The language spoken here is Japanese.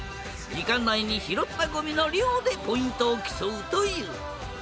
時間内に拾ったごみの量でポイントを競うという。